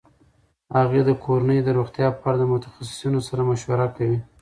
هغې د کورنۍ د روغتیا په اړه د متخصصینو سره مشوره کوي.